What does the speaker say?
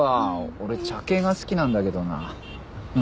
俺茶系が好きなんだけどな。